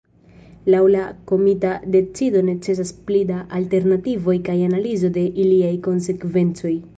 Laŭ la komita decido necesas pli da alternativoj kaj analizo de iliaj konsekvencoj.